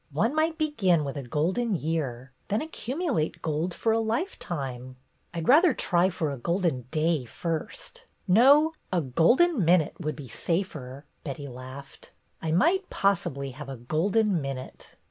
"One might begin with a Golden Year, then accumulate Gold for a lifetime." "I 'd rather try for a Golden Day first — 70 BETTY BAIRD'S GOLDEN YEAR no, a Golden Minute would be safer," Betty laughed. "I might possibly have a Golden Minute."